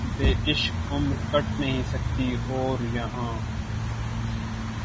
بے عشق عمر کٹ نہیں سکتی ہے‘ اور یاں